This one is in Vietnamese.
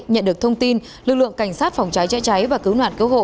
nhận được thông tin lực lượng cảnh sát phòng cháy chữa cháy và cứu nạn cứu hộ